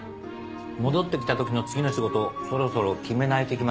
戻ってきたときの次の仕事そろそろ決めないといけませんね。